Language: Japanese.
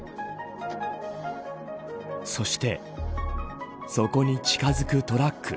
そして、そこに近づくトラック。